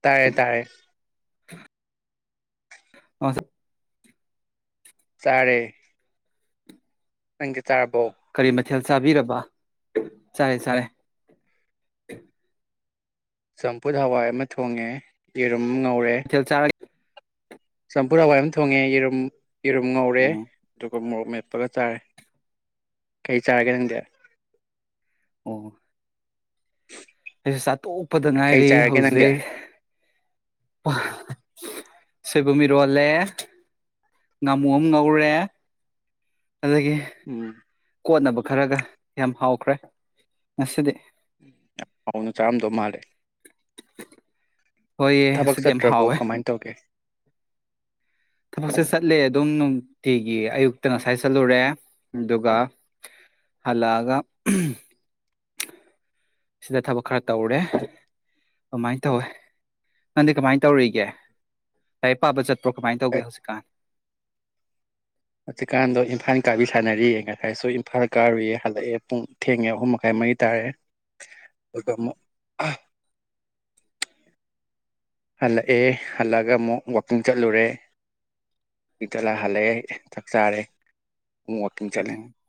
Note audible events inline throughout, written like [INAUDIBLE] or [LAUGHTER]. ꯇꯥꯔꯦ ꯇꯥꯔꯦ ꯑ ꯆꯔꯦ [UNINTELLIGIBLE] ꯆꯥꯔꯕꯣ ꯊꯦꯜ ꯆꯥꯕꯤꯔꯕ ꯆꯔꯦ ꯆꯔꯦ ꯆꯝꯐꯨꯠ ꯍꯋꯥꯏ ꯑꯃ ꯊꯣꯡꯉꯦ ꯌꯦꯔꯨꯝ ꯝ ꯉꯧꯔꯦ ꯃꯊꯦꯜ ꯆꯥꯔ ꯆꯝꯐꯨꯠ ꯍꯥꯋꯥꯏ ꯑꯃ ꯊꯣꯡꯉꯦ ꯌꯦꯔꯨꯝ ꯌꯦꯔꯨꯝ ꯉꯧꯔꯦ ꯑꯣ ꯑꯗꯨꯒ ꯃꯣꯔꯣꯛ ꯃꯦꯠꯄꯒ ꯆꯥꯔꯦ ꯀꯩ ꯆꯥꯔꯒꯦ ꯅꯪꯗꯤ ꯑꯣ ꯑꯩꯁꯨ ꯆꯥꯇꯣꯛꯄꯗ ꯀꯩ ꯉꯥꯏꯔꯤ ꯆꯥꯔꯒꯦ ꯅꯪꯗꯤ ꯍꯧꯖꯤꯛ ꯁꯨꯏꯕꯨꯝ ꯏꯔꯣꯜꯂꯦ ꯉꯥꯃꯨ ꯑꯃ ꯉꯧꯔꯦ ꯑꯗꯒꯤ ꯎꯝ ꯀꯣꯠꯅꯕ ꯈꯔꯒ ꯌꯥꯝ ꯍꯥꯎꯈ꯭ꯔꯦ ꯉꯁꯤꯗꯤ ꯍꯥꯎꯅꯥ ꯆꯥꯔꯝꯗꯣ ꯃꯥꯂꯦ ꯍꯣꯏꯌꯦ ꯊꯕꯛ ꯉꯁꯤꯗꯤ ꯌꯥꯝ ꯆꯠꯇ꯭ꯔꯕꯣ ꯍꯥꯎꯋꯦ ꯀꯃꯥꯏꯅ ꯇꯧꯒꯦ ꯊꯕꯛꯁꯦ ꯆꯠꯂꯦ ꯑꯗꯨꯝ ꯅꯨꯡꯇꯤꯒꯤ ꯑꯌꯨꯛꯇ ꯉꯁꯥꯏ ꯆꯠꯂꯨꯔꯦ ꯑꯗꯨꯒ ꯍꯜꯂꯛꯑꯒ ꯎꯝ ꯁꯤꯗ ꯊꯕꯛ ꯈꯔ ꯇꯧꯔꯦ ꯑꯗꯨꯃꯥꯏꯅ ꯇꯧꯋꯦ ꯅꯪꯗꯤ ꯀꯃꯥꯏꯅ ꯇꯧꯔꯤꯒꯦ ꯂꯥꯏꯔꯤꯛ ꯄꯥꯕ ꯆꯠ ꯑ꯭ꯔꯣ ꯀꯃꯥꯏꯅ ꯇꯧꯒꯦ ꯍꯧꯖꯤꯛꯀꯥꯟ ꯑꯗꯨꯖꯤꯛꯀꯥꯟꯗꯣ ꯏꯝꯐꯥꯜ ꯀꯥꯕꯤ ꯁꯥꯟꯅꯔꯤꯌꯦ ꯉꯁꯥꯏꯁꯨ ꯏꯝꯐꯥꯜ ꯀꯥꯔꯨꯏꯌꯦ ꯍꯜꯂꯛ! ¡! ꯟ [INAUDIBLE] ꯑꯦ ꯄꯨꯡ ꯊꯦꯡꯉꯦ ꯑꯍꯨꯝ ꯃꯈꯥꯏ ꯃꯔꯤ ꯇꯥꯔꯑꯦ ꯑꯗꯨꯒ ꯑꯃꯨꯛ ꯍꯜꯂꯛꯑꯦ ꯍꯜꯂꯛꯒ ꯑꯃꯨꯛ ꯋꯀꯤꯡ ꯆꯠꯂꯨꯔꯦ ꯀꯤꯡ ꯆꯠꯂꯒ ꯍꯜꯂꯛꯑꯦ ꯆꯥꯛ ꯆꯥꯔꯦ ꯋꯥꯋꯀꯤꯡ ꯆꯠꯂꯤ ꯑꯣ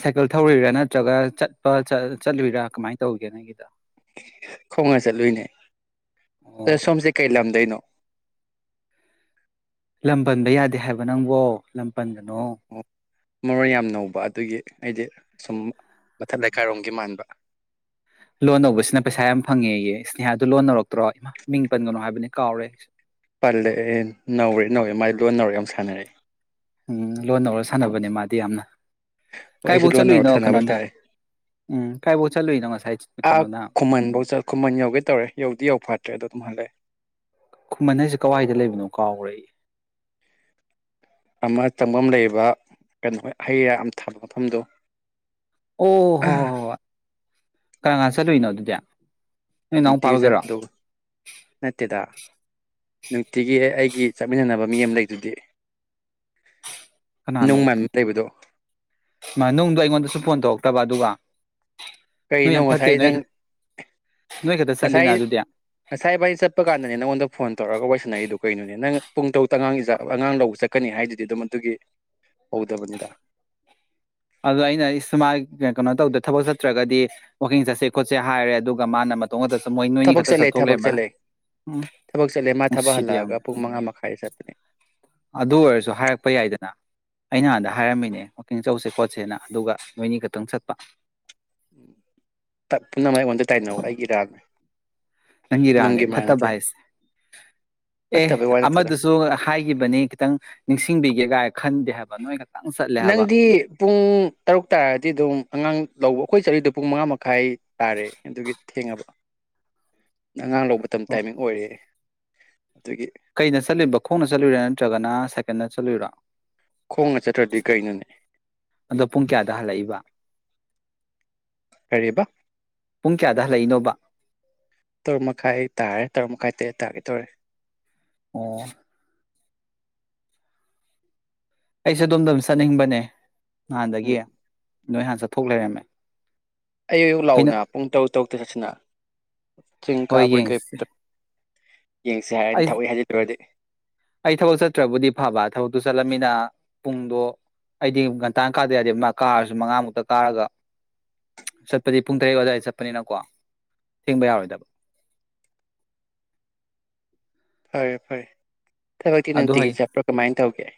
ꯁꯥꯏꯀꯜ ꯊꯧꯔꯔꯤꯔꯥ ꯅꯠꯇ꯭ꯔꯒ ꯆꯠꯄ ꯆꯠꯂꯨꯔꯥ ꯀꯃꯥꯏꯅ ꯇꯧꯒꯦ ꯅꯪꯒꯤꯗ ꯈꯧꯉ ꯆꯠꯂꯨꯅꯦ ꯑꯣ ꯁꯣꯝꯁꯦ ꯀꯩ ꯂꯗꯣꯏꯩꯅꯣ [UNINTELLIGIBLE] ꯂꯝ ꯄꯟꯕ ꯌꯥꯗꯦ ꯍꯥꯏꯕ ꯅꯪꯕꯣ ꯂꯝ ꯄꯗꯅꯣ ꯃꯔꯣꯏ ꯌꯥꯝ ꯅꯧꯕ ꯑꯗꯨꯒꯤ ꯑꯩꯗꯤ ꯁꯨꯝ ꯃꯊꯠ ꯂꯩꯀꯥꯏꯔꯣꯝꯒꯤ ꯃꯥꯟꯕ ꯂꯣꯟ ꯂꯧꯕꯁꯤꯅ ꯄꯩꯁꯥ ꯌꯥꯝ ꯐꯪꯉꯦꯌꯦ ꯏꯁꯅꯦꯍꯥꯗꯨ ꯂꯣꯟ ꯅꯧꯔꯛꯇ꯭ꯔꯣ ꯏꯃꯥ ꯃꯤꯡ ꯄꯟꯒꯅꯣ ꯍꯥꯏꯕꯅꯦ ꯀꯥꯎꯔꯦ ꯄꯜꯂꯦ ꯑꯦ ꯅꯧꯔꯦ ꯅꯧꯋꯦ ꯃꯥꯏ ꯂꯣꯟ ꯅꯧꯔꯦ ꯌꯥꯝ ꯁꯥꯟꯅꯔꯛꯑꯦ ꯎꯝ ꯂꯣꯟꯅ ꯑꯣꯔꯒ ꯁꯥꯟꯅꯕꯅꯦ ꯃꯥꯗꯤ ꯌꯥꯝꯅ ꯍ ꯑꯩꯁꯨ ꯀꯥꯏꯕꯧ ꯂꯣꯟꯅꯧꯔꯛ ꯆꯠꯂꯨꯏꯅꯣ ꯁꯥꯟꯅꯕ ꯀꯩꯅꯣꯅ ꯍꯥꯏꯇꯥꯔꯦ ꯎꯝ ꯀꯥꯏꯕꯧ ꯆꯠꯂꯨꯏꯅꯣ ꯉꯁꯥꯏ ꯑꯥ ꯀꯩꯅꯣꯅ ꯈꯨꯃꯟ ꯐꯧꯠ ꯈꯨꯃꯟ ꯌꯧꯒꯦ ꯇꯧꯔꯦ ꯌꯧꯗꯤ ꯌꯧ ꯐꯥꯠꯇ꯭ꯔꯦ ꯑꯗꯣ ꯑꯗꯨꯝ ꯍꯜꯂꯛꯑꯦ ꯈꯨꯃꯟ ꯍꯥꯏꯁꯦ ꯀꯗꯥꯏꯗ ꯂꯩꯕꯅꯣ ꯀꯥꯎꯈ꯭ꯔ ꯑꯃ ꯆꯪꯐꯝ ꯂꯩꯕ ꯀꯩꯅꯣ ꯍꯩ ꯑꯃ ꯊꯥꯕ ꯃꯐꯝꯗꯣ ꯑꯣ ꯍꯣ ꯍꯣ ꯀꯔ ꯀ ꯆꯠꯂꯨꯏꯅꯣ ꯑꯗꯨꯗꯤ ꯅꯣꯏ ꯅꯨꯡꯇꯤꯒꯤ ꯏꯅꯥꯎꯄꯥꯒꯤꯔꯣ ꯆꯠꯄꯗ ꯅꯠꯇꯦꯗ ꯅꯨꯡꯇꯤꯒꯤ ꯑꯩ ꯒꯤ ꯆꯠꯃꯤꯟꯅꯅꯕ ꯃꯤ ꯑꯃ ꯂꯩꯗꯨꯗꯤ ꯀꯅꯥꯅꯣ ꯅꯣꯡꯃ ꯂꯩꯕꯗꯣ ꯅꯨꯡꯗꯣ ꯑꯩꯉꯣꯟꯗꯁꯨ ꯐꯣꯟ ꯇꯧꯔꯛꯇꯕ ꯑꯗꯨꯒ ꯅꯣꯏ ꯀꯩꯅꯣ ꯌꯥꯝ ꯐꯠꯇꯦ ꯉꯁꯥꯏ ꯅꯣꯏ ꯅꯪ ꯅꯣꯏ ꯈꯛꯇ ꯉꯁꯥꯏ ꯆꯠꯂꯤꯅ ꯑꯗꯨꯗꯤ ꯉꯁꯥꯏ ꯥꯏ ꯆꯠꯄ ꯀꯥꯟꯗꯅꯦ ꯅꯪꯉꯣꯟꯗ ꯐꯣꯟ ꯇꯧꯔꯛꯑꯒ ꯋꯥꯔꯤꯏꯁꯟꯅꯛꯏꯗꯨ ꯀꯩꯅꯣꯅꯦ ꯅꯪ ꯄꯨꯡ ꯇꯔꯨꯛꯛꯇ ꯑꯉꯥꯡꯒꯤ ꯑꯉꯥꯡ ꯂꯧꯕ ꯆꯠꯀꯅꯤ ꯍꯥꯏꯗꯨꯗꯤ ꯑꯗꯨꯝ ꯑꯗꯨꯒꯤ ꯍꯧꯗꯕꯅꯤꯗ ꯑꯗꯣ ꯑꯩꯅ ꯁꯨꯃꯥꯏ ꯀꯩꯅꯣ ꯇꯧꯗ ꯊꯕꯛ ꯆꯠꯇ꯭ꯔꯒꯗꯤ ꯋꯥꯛꯀꯤꯡ ꯆꯠꯁꯦ ꯈꯣꯠꯁꯦ ꯍꯥꯏꯔꯦ ꯑꯗꯨꯒ ꯃꯥꯅ ꯃꯇꯨꯡꯗ ꯊꯕꯛ ꯆꯠꯂꯦ ꯊꯕꯛ ꯆꯠꯂꯦ ꯎꯝ ꯊꯕꯛ ꯆꯠꯂꯦ ꯃꯥ ꯊꯕꯛ ꯅꯨꯡꯁꯤꯗꯦ ꯍꯜꯂꯛꯑꯒ ꯌꯥꯝꯅ ꯄꯨꯡ ꯃꯉꯥ ꯃꯈꯥꯏꯗ ꯆꯠꯄꯅꯦ ꯑꯗꯨ ꯑꯣꯏꯔꯁꯨ ꯍꯥꯏꯔꯛꯄ ꯌꯥꯏꯗꯅ ꯑꯩ ꯅꯍꯥꯟꯗ ꯍꯥꯏꯔꯝꯃꯤꯅꯦ ꯋꯥꯛꯀꯤꯡ ꯆꯧꯁꯦ ꯈꯣꯠꯁꯦꯅ ꯑꯗꯨꯒ ꯅꯣꯏꯅꯤ ꯈꯛꯇꯪ ꯆꯠꯄ ꯎ ꯄꯨꯝꯅꯃꯛ ꯑꯩꯉꯣꯟꯗ ꯇꯥꯏꯅꯧ ꯑꯩꯒꯤ ꯏꯔꯥꯡꯅꯦ ꯅꯪꯒꯤꯔꯥꯜꯅꯦ ꯐꯠꯇꯕ ꯍꯥꯏꯁꯦ ꯑꯦ ꯐꯠꯇꯕꯩ ꯋꯥ ꯅꯠꯇꯦꯗ ꯑꯃꯗꯨꯁꯨ ꯍꯥꯏꯈꯤꯕꯅꯤ ꯈꯤꯇꯪ ꯅꯤꯡꯁꯤꯡꯕꯤꯒꯦꯒꯥꯏ ꯈꯥꯟꯗꯦ ꯍꯥꯏꯕ ꯅ ꯅꯪꯗꯤ ꯄꯨꯡ ꯇꯔꯨꯛ ꯇꯥꯔꯗꯤ ꯑꯗꯨꯝ ꯑꯉꯥꯡ ꯂꯧꯕ ꯑꯩꯈꯣꯏ ꯆꯔꯤꯗ ꯄꯨꯡ ꯃꯉꯥ ꯃꯈꯥꯏ ꯇꯥꯔꯦ ꯀꯒꯤ ꯊꯦꯡꯉꯕ ꯑꯉꯥꯡ ꯂꯧꯕ ꯃꯇꯝ ꯇꯥꯏꯃꯤꯡ ꯑꯣꯏꯔ ꯀꯩꯗ ꯆꯠꯂꯤꯕ ꯈꯣꯡꯅ ꯆꯠꯂꯨꯔꯥ ꯅꯠꯇ꯭ꯔꯒꯅ ꯁꯥꯏꯀꯜꯗ ꯆꯂꯔ ꯈꯣꯡꯅ ꯆꯠꯇ꯭ꯔꯗꯤ ꯀꯩꯅꯣꯅꯦ ꯑꯗꯣ ꯄꯨꯡ ꯀꯌꯥꯗ ꯍꯜꯂꯛꯏꯕ ꯀꯔꯤꯕ ꯄꯨꯡ ꯀꯌꯥꯗ ꯍꯜꯂꯛꯏꯅꯣ ꯕꯥ ꯇꯔꯨꯛ ꯃꯈꯥꯏ ꯇꯥꯔꯦ ꯇꯔꯨꯛ ꯃꯈꯥꯏ ꯇꯔꯦꯠ ꯇꯥꯒꯦ ꯇꯧꯔꯦ ꯑꯣ ꯑꯩꯁꯦ ꯑꯗꯣꯝꯗ ꯑꯗꯨꯝ ꯆꯠꯅꯤꯡꯕꯅꯦ ꯎꯝ ꯅꯗꯒꯌꯥ ꯅꯣꯏ ꯍꯥꯟ ꯆꯠꯊꯣꯛ ꯂꯩꯔꯝꯃꯦ ꯑꯌꯨꯛ ꯑꯌꯨꯛ ꯑꯩꯅ ꯂꯥꯎꯅ ꯄꯨꯡ ꯇꯔꯨꯛ ꯇꯔꯨꯛꯇ ꯆꯠꯁꯤꯅ ꯆꯤꯡ ꯍꯣꯏ ꯀꯥꯕꯒꯤ ꯀꯩ ꯌꯦꯡꯁꯦ ꯌꯦꯡꯁꯤ ꯍꯥꯏꯔꯅꯤ ꯑꯩ ꯊꯕꯛꯏ ꯍꯥꯏꯖꯠꯇꯧꯨꯔꯗꯤ ꯑꯩ ꯊꯕꯛ ꯆꯠꯇ꯭ꯔꯕꯨꯗꯤ ꯐꯕ ꯊꯕꯛꯇꯨ ꯆꯠꯂꯝꯃꯤꯅ ꯄꯨꯡꯗꯣ ꯑꯩꯗꯤ ꯟꯇ ꯀꯥꯗ ꯌꯥꯗꯦ ꯃꯥ ꯀꯥꯔꯁꯨ ꯃꯉꯥꯃꯨꯛꯇ ꯀꯥꯔꯒ ꯆꯠꯄꯗꯤ ꯄꯨꯡ ꯇꯔꯦꯠ ꯑꯗꯨꯋꯥꯏꯗ ꯆꯠꯄꯅꯤꯅꯀꯣ ꯊꯤꯡꯕ ꯌꯥꯔꯣꯏꯗꯕ ꯐꯔꯦ ꯐꯔꯦ ꯇ ꯅ ꯑꯗꯣ ꯍꯌꯦꯡ ꯇꯦꯄ꯭ꯔꯝꯥꯏꯟ ꯇ ꯦ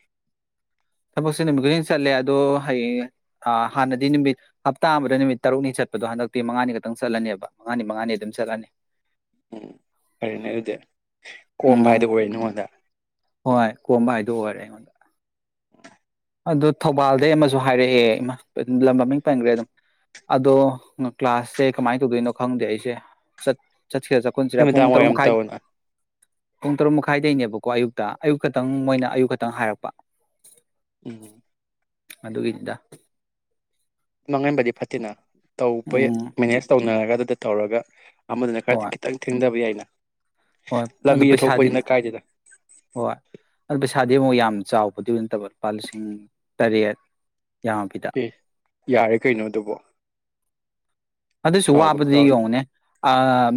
ꯊꯕꯛꯁꯦ ꯅꯨꯃꯤꯠ ꯈꯨꯗꯤꯡ ꯆꯠꯂꯦ ꯑꯗꯣ ꯍꯌꯦꯡ ꯍꯥꯟꯅꯗꯤ ꯅꯨꯃꯤꯠ ꯍꯞꯇꯥ ꯑꯃꯗ ꯅꯨꯃꯤꯠ ꯇꯔꯨꯛꯅꯤ ꯆꯠꯄꯗꯣ ꯍꯟꯗꯛꯇꯤ ꯃꯉꯥꯅꯤ ꯈꯛꯇꯪ ꯆꯠꯂꯅꯦꯕ ꯃꯉꯥꯅꯤ ꯃꯉꯥꯅꯤ ꯑꯗꯨꯝ ꯆꯠꯂꯅꯤ ꯎꯝ ꯐꯔꯅꯦ ꯑꯗꯨꯗꯤ ꯀꯣꯝꯕ ꯎꯝ ꯍꯥꯏꯗꯣ ꯑꯣꯏꯔꯦ ꯅꯉꯣꯟꯗ ꯍꯣꯏ ꯀꯣꯝꯕ ꯍꯥꯏꯗꯣ ꯑꯣꯏꯔꯦ ꯑꯩꯉꯣꯟꯗ [UNINTELLIGIBLE] ꯑꯗꯨꯗ ꯊꯧꯕꯥꯜꯗꯩ ꯑꯃꯁꯨ ꯍꯥꯏꯔꯛꯑꯦ ꯂꯝ ꯃꯃꯤꯡ ꯄꯟꯈ꯭ꯔꯦ ꯑꯗꯨꯝ ꯑꯗꯣ ꯀ꯭ꯂꯥꯁꯁꯦ ꯀꯃꯥꯏꯅ ꯇꯧꯗꯣꯏꯅꯣ ꯈꯪꯗꯦ ꯑꯩꯁꯦꯠ ꯆꯠꯁꯤꯔꯦ ꯆꯠꯈꯁꯤꯔꯦ ꯄꯨꯡ ꯅꯨꯃꯤꯗꯥꯡ ꯇꯔꯨꯛ ꯋꯥꯏꯔꯝ ꯃꯈꯥꯏ ꯇꯧꯅ ꯄꯨꯡ ꯇꯔꯨꯛ ꯃꯈꯥꯏꯗꯒꯤꯅꯦꯕꯀꯣ ꯑꯌꯨꯛꯇ ꯑꯌꯨꯛ ꯈꯛꯇꯪ ꯃꯣꯏꯅ ꯑꯌꯨꯛ ꯈꯛꯇꯪ ꯍꯥꯏꯔꯛꯄ ꯎꯝ ꯑꯗꯨꯒꯤ ꯃꯥꯡꯍꯟꯕꯗꯤ ꯐꯠꯇꯦꯅ ꯇꯧꯕ ꯎꯝ ꯃꯦꯅꯦꯖ ꯇꯧꯅꯔꯒ ꯑꯗꯨꯗ ꯇꯧꯔꯒ ꯑꯃꯗꯨꯅ ꯈꯔꯗꯤ ꯍꯣꯏ ꯈꯤꯇꯪ ꯊꯦꯡꯊꯕ ꯌꯥꯏꯅ ꯍꯣꯏ ꯑꯗꯨ ꯂꯝꯕꯤꯗ ꯄꯩꯁꯥꯗꯤ ꯊꯣꯛꯄꯅꯤꯅ ꯀꯥꯏꯗꯦꯗ ꯍꯣꯏ ꯑꯗꯨ ꯄꯩꯁ ꯏꯁꯥꯗꯤ ꯑꯃꯨꯛ ꯌꯥꯝ ꯆꯥꯎꯕꯗꯤ ꯑꯣꯏꯅ ꯅꯠꯇꯕ ꯂꯨꯄꯥ ꯂꯤꯁꯤꯡ ꯇꯔꯦꯠ ꯌꯥꯝꯃꯕꯤꯗ ꯑꯦ ꯌꯥꯔꯦ ꯀꯩꯅꯣ ꯑꯗꯨꯕꯣ ꯑꯗꯨꯁꯨ ꯋꯥꯕꯗꯤ ꯌꯦꯡꯉꯅꯦ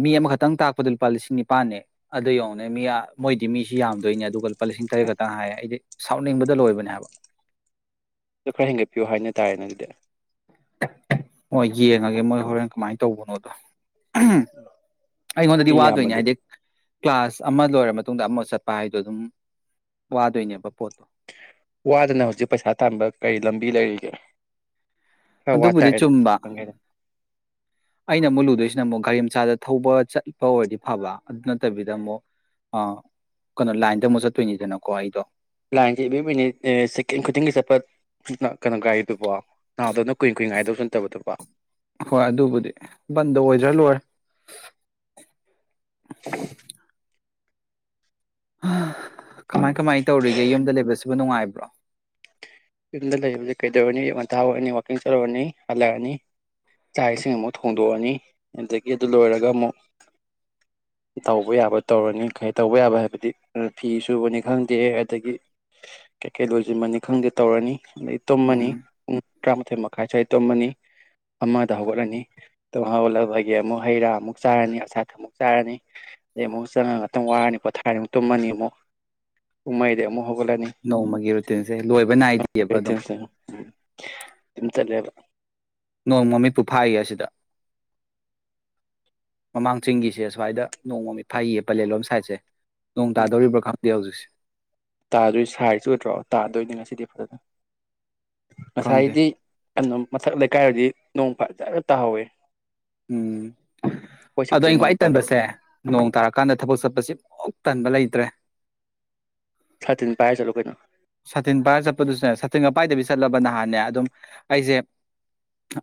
ꯃꯤ ꯑꯃꯈꯛꯇꯪ ꯇꯥꯛ ꯂ ꯂꯨꯄꯥ ꯂꯤꯁꯤꯡ ꯅꯤꯄꯥꯥꯟꯅꯦ ꯑꯗꯨ ꯌꯧꯅꯦ ꯃꯤ ꯃꯣꯏꯗꯤ ꯃꯤꯁꯤ ꯌꯥꯝꯗꯣꯏꯅꯦ ꯑꯗꯨꯒ ꯂꯨꯄꯥ ꯂꯤꯁꯤꯡ ꯇꯔꯦꯠ ꯈꯛꯇꯪ ꯍꯥꯏꯌꯦ ꯑꯩꯗꯤ ꯁꯥꯎꯅꯤꯡꯕꯗ ꯂꯣꯏꯕꯅꯦ ꯍꯥꯏꯕ ꯑꯗꯨ ꯈꯔ ꯍꯦꯟꯒꯠꯄꯤꯌꯨ ꯍꯥꯏꯅ ꯇꯥꯔꯦꯅꯦ ꯑꯗꯨꯗ ꯍꯣꯏ ꯌꯦꯡꯉꯒꯦ ꯃꯣꯏ ꯍꯣꯔꯦꯟ ꯀꯃꯥꯏꯅ ꯇꯧꯕꯅꯣꯗꯣ ꯑꯩꯉꯣꯟꯗꯗꯤ ꯃꯤ ꯋꯥꯗꯣꯏꯅꯦ ꯌꯥꯝꯃꯗꯤ ꯍꯥꯏꯗꯤ ꯀ꯭ꯂꯥꯁ ꯑꯃ ꯂꯣꯏꯔ ꯃꯇꯨꯡꯗ ꯑꯃ ꯆꯠꯄ ꯍꯥꯏꯗꯣ ꯑꯗꯨꯝ ꯋꯥꯗꯣꯏꯅꯦꯕ ꯄꯣꯠꯇꯣ ꯋꯥꯗꯅ ꯍꯧꯖꯤꯛ ꯄꯩꯁꯥ ꯇꯥꯟꯕ ꯀꯩ ꯂ ꯂꯝꯕꯤ ꯂꯩꯔꯤꯒꯦ ꯈꯔ ꯋꯥ ꯑꯗꯨꯕꯨꯗꯤ ꯇꯥꯔꯦꯅꯦ ꯆꯨꯝꯕ ꯑꯩꯅ ꯑꯃꯨꯛ ꯂꯨꯗꯣꯏꯁꯤꯅ ꯑꯃꯨꯛ ꯒꯥꯔꯤ ꯏꯁꯆꯥꯗ ꯊꯧꯕ ꯆꯠꯄ ꯑꯣꯏꯔꯗꯤ ꯐꯕ ꯑꯗꯨ ꯅꯠꯇꯕꯤꯗ ꯑꯃꯨꯛ ꯀꯩꯅꯣ ꯂꯥꯏꯟꯗ ꯑꯃꯨꯛ ꯆꯠꯇꯣꯏꯅꯤꯗꯅꯀꯣ ꯑꯩꯗꯣ ꯂꯥꯏꯟꯁꯦ ꯑꯦꯕ꯭ꯔꯤ ꯃꯤꯅꯤꯠ ꯁꯦꯀꯦꯟ ꯈꯨꯗꯤꯡꯒꯤ ꯆꯠꯄ ꯀꯩꯅꯣ ꯒꯥꯔꯤꯗꯨꯕꯣ ꯅꯍꯥꯟꯗꯧꯅ ꯀꯨꯏ ꯀꯨꯏ ꯉꯥꯏꯗꯧꯁꯨ ꯅꯠꯇꯕꯗꯨꯕ ꯍꯣꯏ ꯑꯗꯨꯕꯨꯗꯤ ꯕꯟꯗ ꯑꯣꯏꯗ꯭ꯔꯥ ꯂꯣꯏꯔꯦ [UNINTELLIGIBLE] ꯀꯃꯥꯏ ꯀꯃꯥꯏ ꯇꯧꯔꯤꯒꯦ ꯌꯨꯝꯗ ꯂꯩꯕꯁꯤꯕꯨ ꯅꯨꯡꯉꯥꯏꯕ꯭ꯔꯣ ꯌꯨꯝꯗ ꯂꯩꯗꯤ ꯀꯩꯗꯧꯔꯅꯤ ꯌ ꯉꯟꯊꯥ ꯑꯣꯏꯔꯅꯤ ꯋꯥꯛꯀꯤꯡ ꯆꯠꯔꯨꯔꯅꯤ ꯍꯜꯂꯛꯑꯅꯤ ꯆꯥꯏꯁꯤꯃ ꯍꯨ ꯂꯣꯛꯑꯅꯤ ꯑꯗꯨꯗꯒꯤ ꯑꯗꯨ ꯂꯣꯏꯔꯒ ꯑꯃꯨꯛ ꯇꯧꯕ ꯌꯥꯕ ꯇꯧꯔꯅꯤ ꯀ ꯇꯧꯕ ꯌꯥꯕ ꯍꯥꯏꯕꯗꯤ ꯐꯤ ꯁꯨꯕꯅꯤ ꯈꯪꯗꯦ ꯑꯗꯒꯤ ꯀꯩ ꯀꯩ ꯂꯣꯏꯁꯤꯟꯕꯅꯤ ꯈꯪꯗꯦ ꯇꯧꯔꯅꯤ ꯑꯗꯩ ꯇꯣꯝꯃꯅꯤ ꯎꯝ ꯄꯨꯡ ꯇꯔꯥꯃꯥꯊꯣꯏꯃ ꯈꯥꯏ ꯁ꯭ꯋꯥꯏꯗ ꯇꯨꯝꯃꯅꯤ ꯑꯃꯗ ꯍꯧꯒꯠꯂꯅꯤ ꯍꯧꯒꯠꯂꯕꯗꯒꯤ ꯑꯃꯨꯛ ꯍꯩꯔꯥ ꯑꯃꯨꯛ ꯆꯥꯔꯅꯤ ꯑꯁꯥꯊ ꯑꯃꯨꯛ ꯆꯥꯔꯅꯤ ꯑꯗꯩ ꯑꯃꯨꯛ ꯆꯪꯉ ꯉꯥꯛꯇꯪ ꯋꯥꯔꯅꯤ ꯄꯣꯊꯥꯔꯔꯤꯃꯨꯛ ꯇꯨꯝꯃꯅꯤ ꯑꯃꯨꯛ ꯀꯨꯝꯃꯩꯗꯩ ꯑꯃꯨꯛ ꯍꯧ ꯅꯣꯡꯃꯒꯤ ꯔꯨꯇꯤꯟꯁꯦ ꯂꯣꯏꯕ ꯅꯥꯏꯗꯦ ꯑꯣꯏ ꯊꯁꯤ ꯗ ꯅꯣꯡ ꯃꯃꯤꯠꯄꯨ ꯐꯥꯏꯌꯦ ꯑꯁꯤꯗ ꯃꯃꯥꯡ ꯆꯤꯡꯒꯤꯁꯦ ꯁꯁ꯭ꯋꯥꯏꯗ ꯅꯣꯡ ꯃꯃꯤꯠ ꯐꯥꯏꯌꯦ ꯄꯂꯦꯟꯂꯣꯝ ꯁꯥꯏꯠꯁꯦ ꯅꯣꯡ ꯇꯥꯗꯧꯔꯤꯕ꯭ꯔꯥ ꯈꯪ ꯌꯥꯎꯖꯛꯁꯦ ꯇꯥꯗꯣꯏ ꯁꯥꯏꯖ ꯑꯣꯏꯗ꯭ꯔꯣ ꯇꯥꯗꯣꯏꯅꯦ ꯉꯁꯤꯗꯤ ꯐꯖꯅ ꯉꯁꯥꯏ ꯈꯪꯗꯦ ꯏꯗꯤ ꯑꯗꯨ ꯃꯊꯛ ꯂꯩꯀꯥꯏꯔꯗꯤ ꯅꯣꯡ ꯐꯖꯒ ꯇꯥꯍꯧꯋꯤ ꯎꯝ ꯑꯗꯣ ꯁꯤꯛꯇ ꯑ ꯅꯣꯡ ꯈ꯭ꯋꯥꯏ ꯇꯥꯗꯕ ꯇꯟꯕꯁꯦ ꯅꯣꯡ ꯇꯥꯔꯀꯥꯟꯗ ꯊꯕꯛ ꯆꯠꯄꯁꯤ ꯇꯟꯕ ꯂꯩꯇ꯭ꯔꯦ ꯁꯥꯇ ꯄꯥꯏꯔ ꯆꯠꯂꯣ ꯀꯩꯅꯣ ꯁꯇꯤꯟ ꯚꯔꯥ ꯆꯠꯄꯗꯨꯁꯨꯅꯦ ꯁꯥꯇꯤꯟ ꯉꯄꯥꯏꯗꯕꯤ ꯆꯠꯂꯕ ꯅꯍꯥꯟꯅꯦ ꯑꯗꯨꯝ ꯑꯩꯁꯦ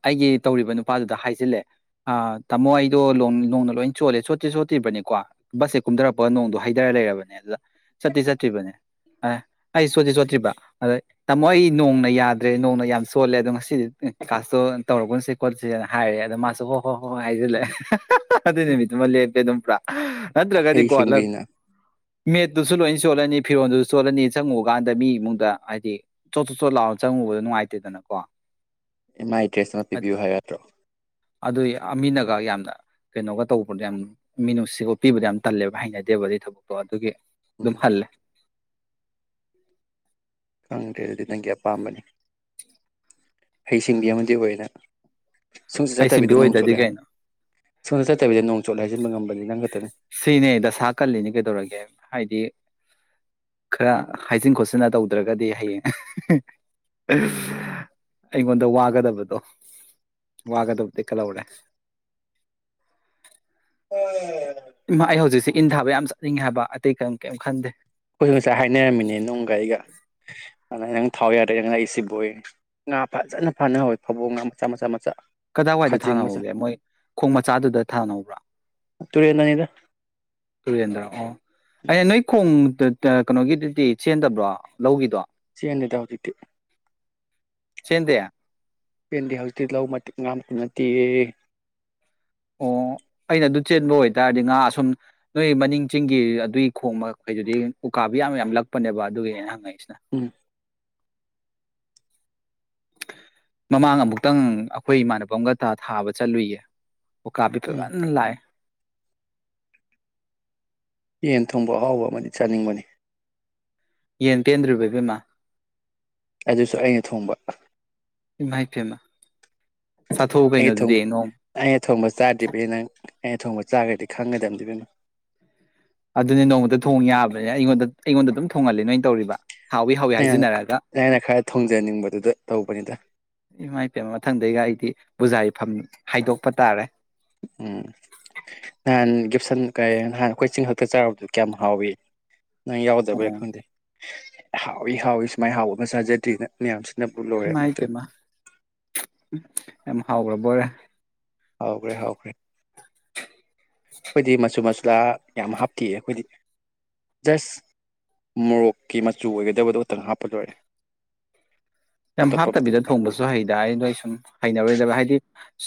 ꯑꯩꯒꯤ ꯇꯧꯔꯤꯕ ꯅꯨꯄꯥꯗꯨꯗ ꯍꯥꯏꯖꯤꯜꯂꯦ ꯇꯥꯃꯣ ꯑꯩꯗꯣ ꯅꯣꯡꯅ ꯂꯣꯏ ꯆꯣꯜꯂꯦ ꯁꯣꯠꯇ꯭ꯔꯤ ꯁꯣꯠꯇ꯭ꯔꯤꯕꯅꯤꯀꯣ ꯕꯁꯁꯦ ꯀꯨꯝꯊꯔꯛꯄꯒ ꯅꯣꯡꯗꯣ ꯍꯩꯊꯔ ꯂꯩꯔꯕꯅꯦ ꯑꯗꯨꯗ ꯁꯇꯤ ꯁꯇ꯭ꯔꯤꯕꯅꯦ ꯑ ꯆꯣꯠꯇ꯭ꯔꯤꯕ ꯑꯗꯣ ꯇꯥꯃꯣ ꯑꯩ ꯅꯣꯡꯅ ꯌꯥꯗ꯭ꯔꯦ ꯅꯣꯡꯅ ꯌꯥꯝ ꯆꯣꯜꯂꯦ ꯑꯗꯣ ꯉꯁꯤꯗꯤ ꯀꯀꯥꯁꯇꯣ ꯇꯧꯔꯒꯨꯅꯁꯤ ꯈꯣꯠꯁꯦꯅ ꯍꯥꯏꯔꯦ ꯑꯗꯣ ꯃꯥꯁꯨ ꯍꯣꯏ ꯍꯣꯏ ꯍꯣꯏ ꯍꯣꯏ ꯍꯥꯏꯁꯤꯜꯂꯛꯦ ꯑꯗꯨ ꯅꯨꯃꯤꯠꯇꯨꯃ ꯂꯦꯞꯄꯦ ꯑꯗꯨꯝ ꯄꯨꯔꯥ ꯅꯠꯇ꯭ꯔꯒꯗꯤ ꯍꯩ ꯀꯣꯜꯂ ꯁꯤꯡꯕꯤꯅ ꯃꯦꯠꯇꯨꯁꯨ ꯂꯣꯏꯅ ꯁꯣꯜꯂꯅꯤ ꯐꯤꯔꯣꯟꯗꯨꯁꯨ ꯁꯣꯜꯂꯅꯤ ꯆꯪꯉꯨꯀꯥꯟꯗ ꯃꯤ ꯏꯃꯨꯡꯗ ꯍꯥꯏꯗꯤ ꯆꯣꯠ ꯆꯣꯠ ꯆꯣꯠ ꯂꯥꯎꯅ ꯆꯪꯉꯨꯕꯗ ꯅꯨꯡꯉꯥꯏꯇꯦꯗꯅꯀꯣ ꯃꯥꯏ ꯏꯇ꯭ꯔꯦꯁ ꯑꯃ ꯄꯤꯕꯤꯌꯨ ꯍꯥꯏꯒꯗ꯭ꯔꯣ ꯑꯗꯨ ꯃꯤꯅꯒ ꯌꯥꯝꯅ ꯀꯩꯅꯣꯒ ꯇꯧꯕꯗꯣ ꯌꯥꯝ ꯃꯤ ꯅꯨꯡꯁꯤꯒꯣꯄꯤꯕꯗ ꯌꯥꯝ ꯇꯜꯂꯦꯕ ꯍꯩꯅꯗꯦꯕ ꯑꯗꯨ ꯊꯕꯛꯇꯣ ꯑꯗꯨꯒꯤ ꯎꯝ ꯑꯗꯨꯝ ꯐꯜꯦ [UNINTELLIGIBLE] ꯈꯅꯨꯡꯊꯦꯜ ꯅꯪꯒꯤ ꯑꯄꯥꯝꯕꯅꯤ ꯍꯩꯁꯤꯡꯕꯤ ꯑꯃꯗꯤ ꯑꯣꯏꯅ ꯍꯩꯁꯤꯡꯗꯨ ꯑꯣꯏꯗꯗꯤ ꯀꯩꯅꯣ ꯁꯣꯝ ꯆꯠꯇꯗ ꯅꯣꯡ ꯆꯣꯠ ꯍꯥꯏꯩꯟ ꯉꯝꯃꯤ ꯁꯤꯅꯦ ꯗꯁꯥ ꯀꯜꯂꯤꯅꯦ ꯀꯩꯗꯧꯔꯒꯦ ꯍꯥꯏꯗꯤ ꯈꯔ ꯍꯥꯏꯖꯤꯟ ꯈꯣꯠꯆꯤꯟꯅ ꯇꯧꯗ꯭ꯔꯒꯗꯤ ꯍꯌꯦꯡ ꯑꯩꯉꯣꯟꯗ ꯋꯥꯒꯗꯕꯗꯣ ꯋꯥꯒꯗꯕꯗꯤ ꯀꯜꯍꯧꯔꯦ ꯎꯝ ꯏꯃꯥ ꯑꯩ ꯍꯧꯖꯤꯛꯁꯦ ꯏꯟ ꯊꯥꯕ ꯌꯥꯝ ꯆꯠꯅꯤꯡꯉꯦ ꯍꯥꯏꯕ ꯑꯇꯩ ꯀꯔꯤꯝ ꯀꯔꯤꯝ ꯈꯟꯗꯦ ꯑꯩꯈꯣꯏ ꯉꯁꯥꯏ ꯍꯥꯏꯅꯔꯝꯃꯤꯅꯦ ꯅꯨꯡꯒ ꯑꯩꯒ ꯑꯗꯨꯗ ꯅꯪ ꯊꯥꯎ ꯌꯥꯔꯗꯦ ꯅꯪ ꯂꯥꯛꯏꯁꯤꯕꯣꯏ ꯉꯥ ꯐꯖꯅ ꯐꯅꯍꯧꯣꯏ ꯐꯕꯣꯛ ꯉꯥ ꯃꯆꯥ ꯃꯆꯥ ꯃꯆꯥ ꯀꯗꯥꯏꯋꯥꯏꯗ ꯈꯥꯖꯤꯡ ꯃꯆꯥ ꯊꯥꯅꯍꯧꯒꯦ ꯃꯣꯏ ꯈꯣꯡ ꯃꯆꯥꯗꯨꯗ ꯊꯥꯅꯧꯕ꯭ꯔꯥ ꯇꯨꯔꯤ ꯌꯦꯅꯅꯤꯗ ꯁꯨꯔꯦꯟꯗ꯭ꯔ ꯑꯣ ꯑꯩꯅ ꯅꯣꯏ ꯈꯣꯡ ꯀꯩꯅꯣꯒꯤꯗꯨꯗꯤ ꯆꯦꯟꯗꯕ꯭ꯔꯣ ꯂꯧꯒꯤꯗꯣ ꯁꯤꯟꯗ ꯍꯖꯤꯇ ꯆꯊꯌꯥ ꯄꯦꯟꯗꯤ ꯍꯧꯖꯤꯛꯇꯤ ꯂꯧ ꯃꯇꯤꯛ ꯉꯥꯝꯇꯨꯅꯠꯇꯦꯔ ꯑꯣ ꯑꯩꯅ ꯑꯗꯨ ꯆꯦꯟꯕ ꯑꯣꯏꯇꯥꯔꯗꯤ ꯉꯥ ꯑꯁꯨꯝ ꯅꯣꯏ ꯃꯅꯤꯡ ꯆꯤꯡꯒꯤ ꯑꯗꯨꯏ ꯈꯣꯡꯕꯈꯩꯗꯨꯗꯤ ꯎꯀꯥꯕꯤ ꯌꯥꯝ ꯌꯥꯝ ꯂꯛꯄꯅꯦꯕ ꯑꯗꯨꯒꯤꯅ ꯍꯪꯉꯛꯏ ꯎꯝ ꯃꯃꯥꯡ ꯑꯃꯨꯛꯇꯪ ꯑꯩꯈꯣꯏ ꯏꯃꯥꯟꯅꯕ ꯑꯃꯒ ꯊꯥꯕ ꯆꯠꯂꯨꯏꯌꯦ ꯑꯣ ꯀꯥꯕꯤ ꯇ ꯎꯝ ꯂꯑ ꯌꯦꯟ ꯊꯣꯡꯕ ꯑꯍꯥꯎꯕ ꯑꯃꯗꯤ ꯆꯥꯅꯤꯡꯕꯅꯤ ꯌꯦꯟ ꯇꯗꯨꯕꯕꯤꯃ ꯑꯗꯨꯁꯨ ꯑꯩꯅ ꯊꯣꯡꯕ ꯃꯥꯏꯇꯦ ꯑꯃ ꯑꯩ ꯊ ꯑꯩꯅ ꯊꯣꯡꯕꯁꯨ ꯆꯥꯗ꯭ ꯄ ꯅꯪ ꯑꯩꯅ ꯊꯣꯡꯕ ꯆꯥꯈ꯭ꯔꯗꯤ ꯈꯪꯒꯗꯕꯗꯤꯕꯅꯣ ꯑꯗꯨꯅꯦ ꯅꯣꯡꯃꯗ ꯊꯣꯡ ꯌꯥꯕꯅꯤꯅ ꯑꯩꯉꯣꯟꯗ ꯑꯩꯉꯣꯟꯗ ꯑꯗꯨꯝ ꯊꯣꯡꯍꯜꯂꯤ ꯅꯪꯅ ꯅꯪꯅ ꯈꯔ ꯊꯣꯡꯖꯅꯤꯡꯕꯗꯨꯗ ꯇꯧꯕꯅꯤꯗ ꯏ ꯃ ꯐꯝ ꯍꯥꯏꯗꯣꯛꯄ ꯇꯥꯔꯦ ꯎꯝ ꯅꯍꯥꯟ ꯒꯤꯞꯁꯟ ꯀꯩ ꯅꯍꯥꯟ ꯑꯩꯈꯣꯏ ꯆꯤꯡꯊꯛꯇ ꯆꯥꯨꯔꯕꯗꯨ ꯀꯌꯥꯝ ꯍꯥꯎꯏꯤ ꯅꯪ ꯌꯥꯎꯗꯕ ꯌꯥ ꯑꯣ ꯈꯪꯗꯦ ꯍꯥꯎꯏ ꯍꯥꯎꯏ ꯁꯨꯃꯥꯏꯅ ꯍꯥꯎꯕ ꯑꯃ ꯆꯥꯖꯗ꯭ꯔꯤꯅ ꯃꯌꯥꯝꯁꯤ ꯃꯥꯥꯏ ꯇꯃ ꯌꯥꯝ ꯍꯥꯎꯕ꯭ꯔ ꯕꯣꯔꯦ ꯍꯥꯎꯈ꯭ꯔꯦ ꯍꯥꯎꯈ꯭ꯔꯦ ꯑꯩꯈꯣꯏꯗꯤ ꯃꯆꯨ ꯃꯆꯨ ꯆꯥ ꯌꯥꯝ ꯍꯥꯞꯇꯦꯌꯦ ꯑꯩꯈꯣꯏꯗꯤ ꯖꯁ ꯃꯣꯔꯣꯛꯀꯤ ꯃꯆꯨ ꯑꯣꯏꯒꯗꯕꯗꯣ ꯈꯇꯪ ꯍꯥꯞꯄ ꯂꯣꯏꯔꯦ ꯌꯥꯝ ꯑꯇꯣꯞꯄ ꯍꯥꯞꯇꯕꯤꯗ ꯊꯣꯡꯕꯁꯨ ꯍꯩꯗꯗꯣ ꯑꯩ ꯁꯨꯝ ꯍꯩꯅꯔꯣꯏꯗꯕ ꯍꯥꯏꯗꯤ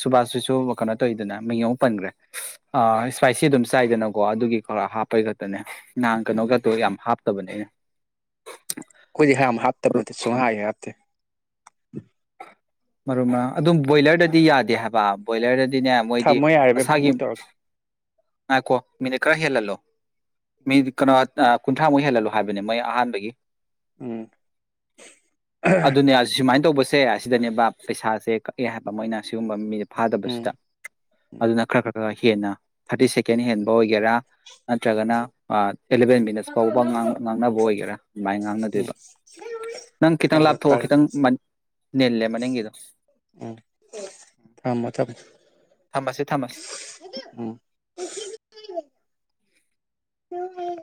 ꯁꯨꯕꯥꯁꯁꯤꯁꯨ ꯀꯩꯅꯣ ꯇꯧꯋꯤꯗꯅ ꯃꯤꯡꯧ ꯄꯟꯈ꯭ꯔꯦ ꯏꯁꯄꯥꯏꯁꯤ ꯑꯗꯨꯝ ꯆꯥꯏꯗꯅꯀꯣ ꯑꯗꯨꯒꯤ ꯈꯔ ꯍꯥꯞꯄꯩ ꯈꯛꯇꯅꯦ ꯅꯍꯥꯡ ꯑꯩꯈꯣꯏꯗꯤ ꯀꯩꯅꯣꯒꯗꯣ ꯌꯥꯝ ꯍꯥꯞꯇꯕꯅꯦ ꯑꯩꯅ ꯀꯣꯏ ꯍꯥꯏ ꯍꯥꯇ ꯁꯨꯉ ꯍꯥ ꯃꯔꯨ ꯃꯔꯥꯡ ꯑꯗꯨꯝ ꯕꯣꯏꯂꯔꯗꯗꯤ ꯌꯥꯗꯦ ꯍꯥꯏꯕ ꯕꯣꯏꯂꯔꯗꯗꯤ ꯗꯤꯅꯦ ꯃꯣꯏꯗꯤ ꯊꯝꯃꯣ ꯌꯥꯔꯦ ꯏꯕꯦꯝ ꯃꯁꯥꯒꯤ ꯑꯃꯨꯛ ꯇꯧꯔꯛꯀꯦ ꯀꯣ ꯃꯤꯅꯤꯠ ꯀ ꯍꯂꯂꯣ ꯃꯤ ꯀꯩꯅꯣ ꯀꯨꯟꯊ꯭ꯔꯥꯃꯨꯛ ꯍꯦꯜꯍꯜꯂꯨ ꯍꯥꯏꯕꯅꯦ ꯃꯣꯏ ꯑꯍꯥꯟꯕꯒꯤ ꯎꯝ ꯑꯗꯨꯅꯦ ꯁꯨꯃꯥꯏꯅ ꯇꯧꯕꯁ ꯁꯦ ꯑꯁꯤꯗꯅꯦꯕ ꯄꯩꯁꯥꯁꯦ ꯀꯛꯑꯦ ꯍꯥꯏꯕ ꯑꯃꯣꯏꯅ ꯁꯤꯒꯨꯝꯕ ꯃꯤꯦ ꯎꯝ ꯎꯝ ꯐꯥꯗꯕꯁꯤꯗ ꯑꯗꯨꯅ ꯈꯔ ꯈꯔ ꯍꯦꯟꯅ ꯊꯥꯔꯇꯤ ꯁꯦꯀꯦꯟ ꯍꯦꯟꯕ ꯑꯣꯏꯒꯦꯔꯥ ꯅꯠꯇ꯭ꯔꯒꯅ ꯑꯦꯂꯚꯦꯟ ꯃꯤꯅꯠꯁ ꯐꯥꯎꯕ ꯉꯥꯡꯅꯕ ꯑꯣꯏꯒꯦꯔꯥ ꯑꯗꯨꯃꯥꯏꯅ ꯎꯝ ꯉꯥꯡꯅꯗꯣꯏꯕ ꯅꯪ ꯈꯤꯇꯪ ꯐꯔꯦ ꯂꯥꯞꯊꯣꯛꯑꯣ ꯐꯔꯦ ꯈꯤꯇꯪ ꯏ ꯂꯩꯦ ꯃꯅꯦꯒꯤꯗꯣ ꯎꯝ ꯊꯝꯃꯣ ꯊꯝꯃꯣ ꯊꯝꯝꯕꯁꯤꯦ ꯊꯝꯃꯁꯤ ꯎ